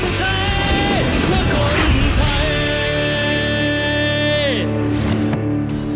เราจะเชียร์บนไทย